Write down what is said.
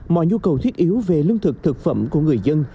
mọi nhu cầu thiết yếu về lương thực thực phẩm của người dân